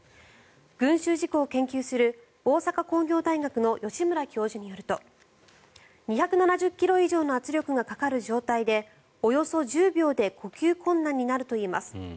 群衆雪崩を研究する大阪工業大学の吉村教授によると２７０ｋｇ以上の圧力がかかる状態でおよそ１０秒で呼吸困難になるといいます。